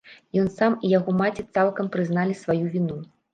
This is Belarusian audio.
Ён сам і яго маці цалкам прызналі сваю віну.